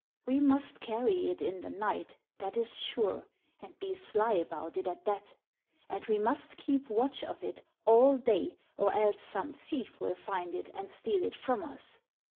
We must carry it in the night, that is sure, and be sly about it at that ; and we must keep watch of it all day or else some thief will find it and steal it from us.